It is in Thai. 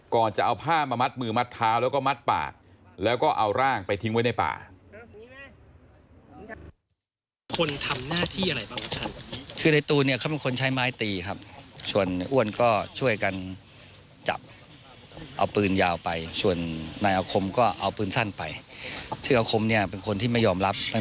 ก่อนจะเอาผ้ามามัดมือมัดเท้าแล้วก็มัดปากแล้วก็เอาร่างไปทิ้งไว้ในป่า